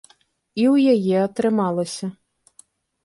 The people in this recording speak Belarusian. І ў яе атрымалася.